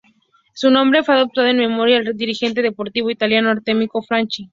Su nombre fue adoptado en memoria al dirigente deportivo italiano Artemio Franchi.